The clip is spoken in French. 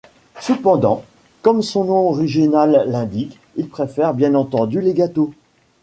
Cependant, comme son nom original l'indique, il préfère bien entendu les gâteaux.